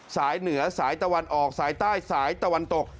สายเหนือสายตะวันออกสายใต้สายตะวันตก